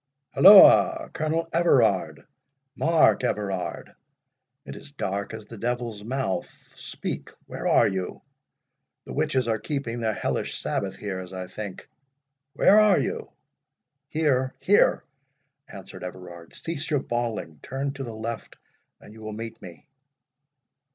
— holloa!—Colonel Everard—Mark Everard—it is dark as the devil's mouth—speak—where are you?—The witches are keeping their hellish sabbath here, as I think.—Where are you?" "Here, here!" answered Everard. "Cease your bawling. Turn to the left, and you will meet me."